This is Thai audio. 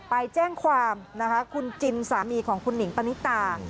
ไปแจ้งความนะคะคุณจินสามีของคุณหนิงปณิตา